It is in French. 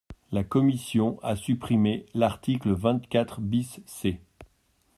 La commission a supprimé l’article vingt-quatre bis C.